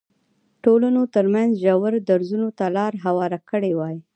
ټولنو ترمنځ ژورو درزونو ته لار هواره کړې وای.